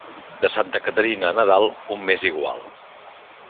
De santa Caterina a Nadal, un mes igual.